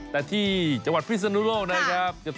แต่ที่จังหวัดพิศนุโลกนะครับ